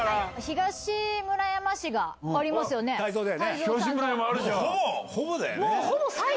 東村山あるじゃん！